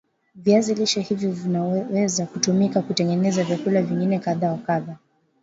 viazi lishe hivyo vinaweza kutumika kutengeneza vyakula vingine kadha wa kadha